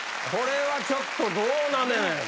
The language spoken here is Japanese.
これはちょっとどうやねん。